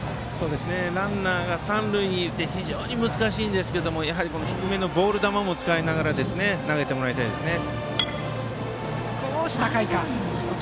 ランナーが三塁にいて非常に難しいんですがやはり低めのボール球も使いながら投げてもらいたいですね。